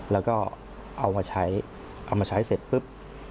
แล้วก็เอามาใช้เสร็จปุ๊บ